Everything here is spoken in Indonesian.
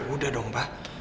udah dong pak